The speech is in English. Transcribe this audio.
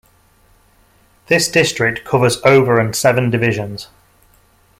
This district covers over and seven divisions.